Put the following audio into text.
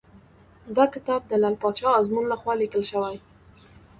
دا کتاب د لعل پاچا ازمون لخوا لیکل شوی .